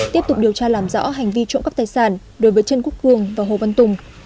tiếp tục điều tra làm rõ hành vi trộm cắp tài sản đối với trần quốc cường và hồ văn tùng